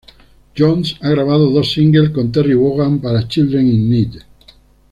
Jones ha grabado dos singles con Terry Wogan para Children in Need.